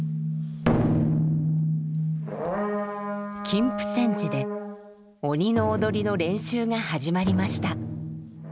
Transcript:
金峯山寺で鬼の踊りの練習が始まりました。